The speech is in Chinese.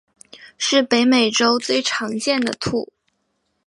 是北美洲最常见的兔。